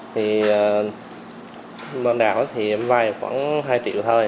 thì lần đầu thì ổng vay khoảng hai triệu thôi